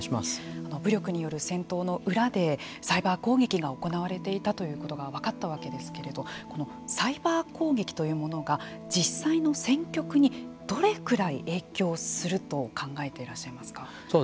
武力による戦闘の裏でサイバー攻撃が行われていたということが分かったわけですけれどこのサイバー攻撃というものが実際の戦局にどれくらい影響すると考えていらっしゃいますか。